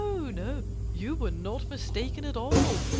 "No, you were not mistaken at all!"